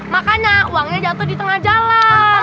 makanya uangnya jatuh di tengah jalan